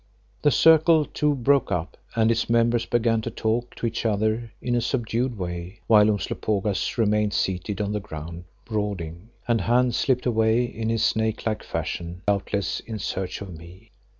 The circle, too, broke up and its members began to talk to each other in a subdued way, while Umslopogaas remained seated on the ground, brooding, and Hans slipped away in his snake like fashion, doubtless in search of me.